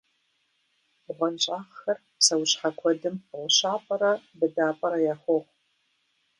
БгъуэнщӀагъхэр псэущхьэ куэдым гъущапӀэрэ быдапӀэрэ яхуохъу.